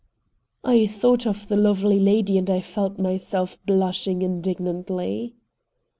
I thought of the lovely lady, and I felt myself blushing indignantly.